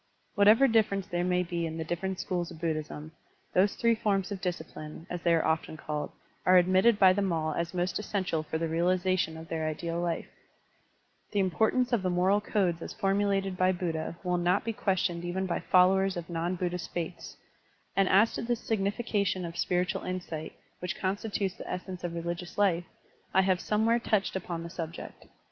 Whatever difference there may be in the different schools of Buddhism, those three forms Digitized by Google 148 SERMONS OF A BUDDHIST ABBOT of discipline, as they are often called, are admitted by them all as most essential for the realization of their ideal life. The importance of the moral codes as formulated by Buddha will not be questioned even by followers of non Buddhist faiths, and as to the signification of spiritual insight, which constitutes the essence of religious life, I have somewhere touched upon the subject.